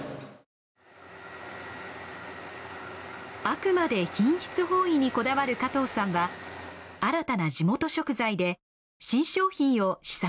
あくまで品質本位にこだわる加藤さんは新たな地元食材で新商品を試作中。